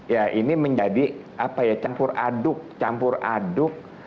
ya ini menjadi campur aduk campur aduk